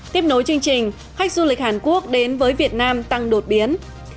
tiếp nối chương trình khách du lịch hàn quốc đến với việt nam tăng đột biến